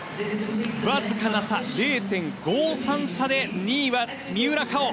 わずかな差０．５３差で２位は三浦佳生。